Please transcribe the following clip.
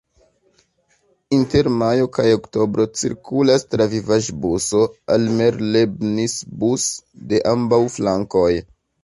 Inter majo kaj oktobro cirkulas travivaĵbuso "Almerlebnisbus" de ambaŭ flankoj.